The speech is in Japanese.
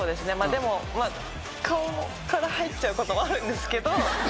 でも顔から入っちゃうこともあるんですけど。